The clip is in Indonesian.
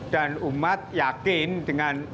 dan umat yakin dengan